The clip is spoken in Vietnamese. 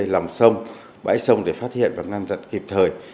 lòng sông bãi sông để phát hiện và ngăn chặn kịp thời